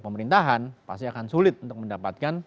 pemerintahan pasti akan sulit untuk mendapatkan